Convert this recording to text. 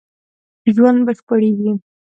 ژوند بشپړېږي